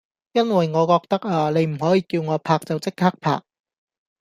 因為我覺得呀你唔可以叫我拍就即刻拍